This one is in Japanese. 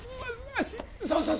足そうそう